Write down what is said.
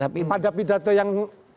pada pidato yang